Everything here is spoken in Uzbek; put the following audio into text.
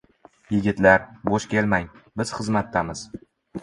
Yigitlar, bo’sh kelmang, biz xizmatdamiz!